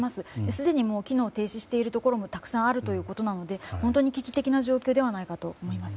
すでに機能停止しているところもたくさんあるということなので本当に危機的な状況ではないかと思います。